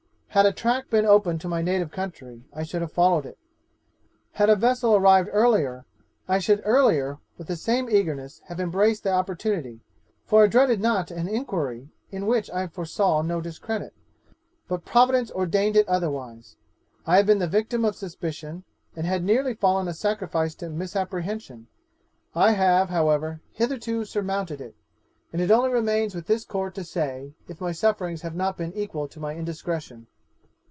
Had a track been open to my native country, I should have followed it; had a vessel arrived earlier, I should earlier with the same eagerness have embraced the opportunity, for I dreaded not an inquiry in which I foresaw no discredit. But Providence ordained it otherwise. I have been the victim of suspicion, and had nearly fallen a sacrifice to misapprehension. I have, however, hitherto surmounted it, and it only remains with this Court to say, if my sufferings have not been equal to my indiscretion.